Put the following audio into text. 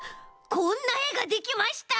こんなえができました！